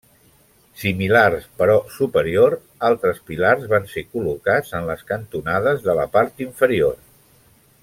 Similars, però superior, altres pilars van ser col·locats en les cantonades de la part inferior.